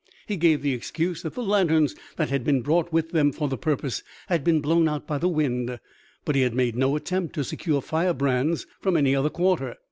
He gave the excuse that the lanterns that had been brought with them for the purpose had been blown out by the wind, but he had made no attempt to secure firebrands from any other quarter.